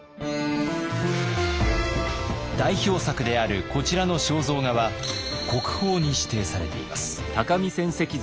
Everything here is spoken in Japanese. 代表作であるこちらの肖像画は国宝に指定されています。